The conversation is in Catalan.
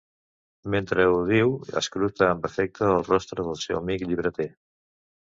Mentre ho diu escruta amb afecte el rostre del seu amic llibreter.